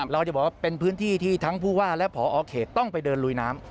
เราจะบอกว่าเป็นพื้นที่ที่ทั้งผู้ว่าและพอเขตต้องไปเดินลุยน้ำ